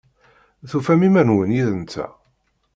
Tufam iman-nwen yid-nteɣ?